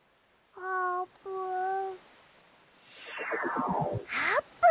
あーぷん！